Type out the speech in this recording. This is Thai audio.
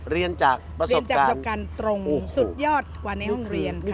เรียนจากประสบการณ์ตรงสุดยอดกว่าในห้องเรียนค่ะ